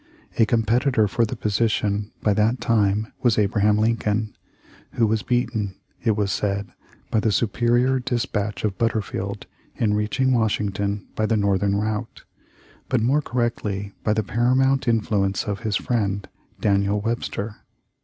A competitor for the position at that time was Abra ham Lincoln, who was beaten, it was said, by 'the superior dis patch of Butterfield in reaching Washington by the Northern route,' but more correctly by the paramount influence of his friend Daniel Webster.